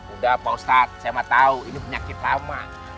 udah pak ustadz saya mau tahu ini penyakit lama